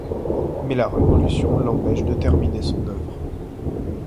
Mais la Révolution l’empêche de terminer son œuvre.